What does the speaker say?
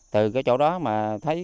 từ chỗ đó mà thấy